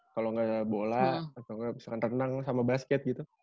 kalau nggak ada bola atau nggak misalkan renang sama basket gitu